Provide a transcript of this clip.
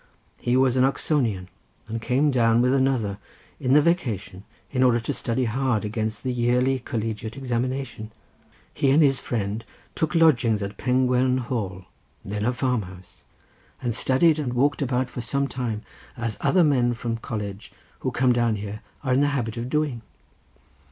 He was an Oxonian, and came down with another in the vacation in order to study hard against the yearly collegiate examination. He and his friend took lodgings at Pengwern Hall, then a farm house, and studied and walked about for some time, as other young men from college, who come down here, are in the habit of doing.